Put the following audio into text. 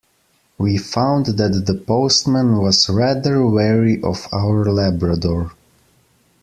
We found that the postman was rather wary of our labrador